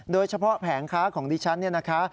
โดยเฉพาะแผงค้าของดิฉันเนี่ยนะคะ